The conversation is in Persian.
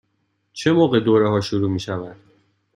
چه موقع دوره ها شروع می شود؟